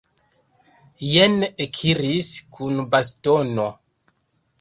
Jen ekiris kun bastono!